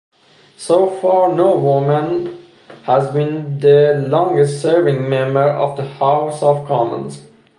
So far, no woman has been the longest-serving member of the House of Commons.